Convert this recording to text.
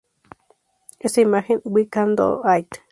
Esta imagen "We Can Do It!